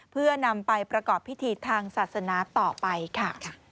เพื่อนำไปประกอบพิธีทางศาสนาต่อไปค่ะ